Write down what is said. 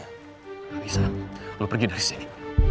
arissa lu pergi dari sini